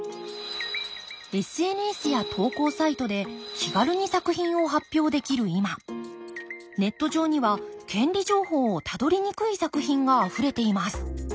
ＳＮＳや投稿サイトで気軽に作品を発表できる今ネット上には権利情報をたどりにくい作品があふれています。